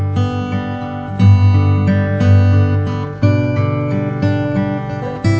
terima kasih tapi